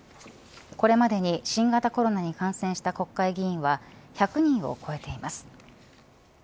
これまでに新型コロナに感染した国会議員は１００人を超えています。